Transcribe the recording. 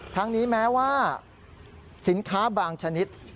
ทั้งนี้แม้ว่าสินค้าบางชนิด